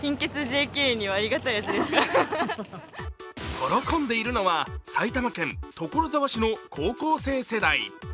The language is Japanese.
喜んでいるのは、埼玉県所沢市の高校生世代。